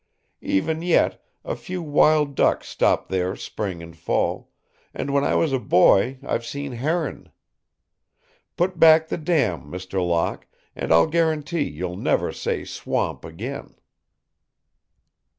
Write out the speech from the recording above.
Even yet, a few wild duck stop there spring and fall, and when I was a boy I've seen heron. Put back the dam, Mr. Locke, and I'll guarantee you'll never say swamp again!"